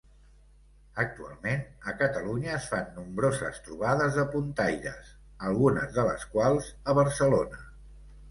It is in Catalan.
Actualment, a Catalunya es fan nombroses trobades de puntaires, algunes de les quals a Barcelona.